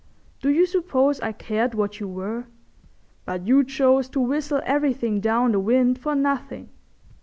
Do you suppose I cared what you were? But you chose to whistle everything down the wind for nothing.